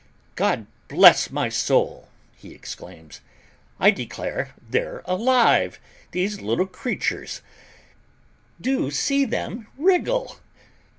"God bless my soul," he exclaims, "I declare they're alive, these little creatures; do see them wriggle!"